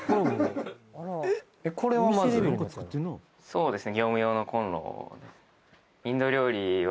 そうですね